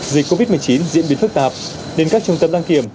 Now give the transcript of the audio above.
dịch covid một mươi chín diễn biến phức tạp nên các trung tâm đăng kiểm